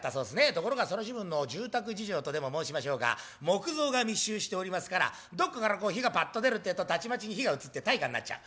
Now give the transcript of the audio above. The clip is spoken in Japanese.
ところがその時分の住宅事情とでも申しましょうか木造が密集しておりますからどっかから火がパッと出るってぇとたちまちに火が移って大火になっちゃう。